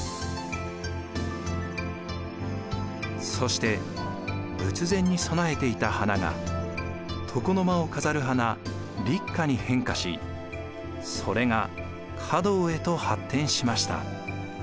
そして仏前に供えていた花が床の間を飾る花立花に変化しそれが華道へと発展しました。